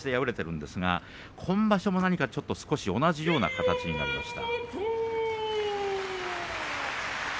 今場所も同じような形になりました。